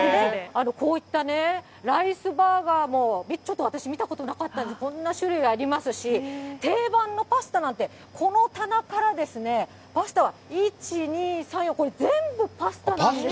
こういったね、ライスバーガーも、ちょっと私、見たことなかったんで、こんな種類がありますし、定番のパスタなんて、この棚からですね、パスタは１、２、３、４、これ、全部パスタなんです。